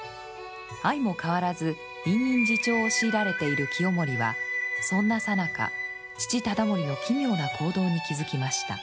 相も変わらず隠忍自重を強いられている清盛はそんなさなか父忠盛の奇妙な行動に気付きました。